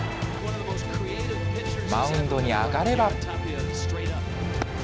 マウンドに上がれば。